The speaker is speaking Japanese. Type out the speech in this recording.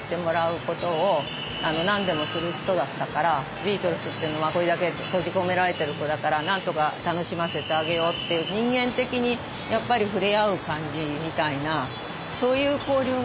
ビートルズっていうのはこれだけ閉じ込められてる子だからなんとか楽しませてあげようっていう人間的にやっぱり触れ合う感じみたいなそういう交流がありましたよね。